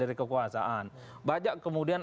dari kekuasaan banyak kemudian